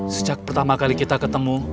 sejak pertama kali kita ketemu